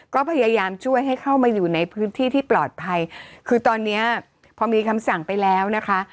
ก็พยายามช่วยให้เข้ามาอยู่ในพื้นที่ที่ปลอดภัยคือตอนเนี้ยพอมีคำสั่งไปแล้วนะคะ